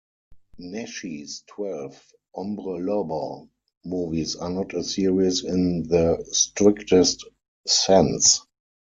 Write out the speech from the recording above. Naschy's twelve "Hombre Lobo" movies are not a series in the strictest sense.